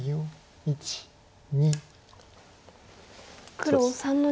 黒３の二。